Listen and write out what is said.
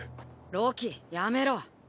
ロキやめろ。